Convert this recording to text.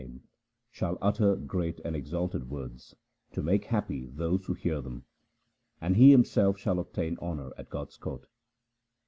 THE SIKH RELIGION Shall utter great and exalted words to make happy those who hear them ; And he himself shall obtain honour at God's court.